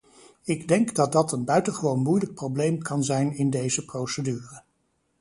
Ik denk dat dat een buitengewoon moeilijk probleem kan zijn in deze procedure.